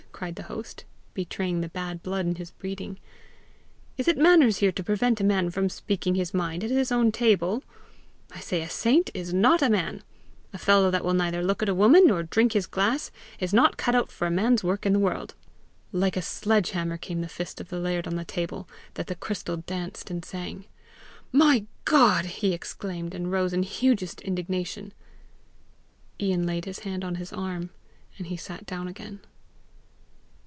cried the host, betraying the bad blood in his breeding. "Is it manners here to prevent a man from speaking his mind at his own table? I say a saint is not a man! A fellow that will neither look at a woman nor drink his glass, is not cut out for man's work in the world!" Like a sledge hammer came the fist of the laird on the table, that the crystal danced and rang. "My God!" he exclaimed, and rose in hugest indignation. Ian laid his hand on his arm, and he sat down again.